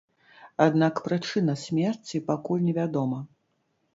Аднак прычына смерці пакуль не вядома.